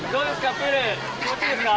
プール、気持ちいいですか？